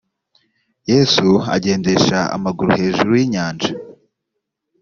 yesu agendesha amaguru hejuru y inyanja